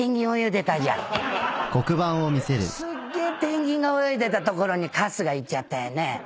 すっげえペンギンが泳いでた所に春日いっちゃったよね。